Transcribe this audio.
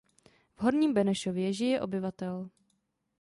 V Horním Benešově žije obyvatel.